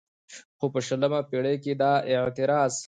خو په شلمه پېړۍ کې دا اعتراض